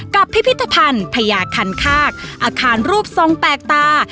พิพิธภัณฑ์พญาคันคากอาคารรูปทรงแปลกตา